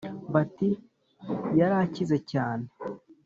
bati : yarakize cyane